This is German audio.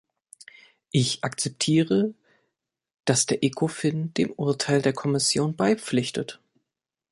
Ich akzeptiere, dass der Ecofin dem Urteil der Kommission beipflichtet.